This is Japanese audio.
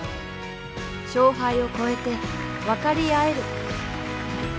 勝敗を超えて分かり合える。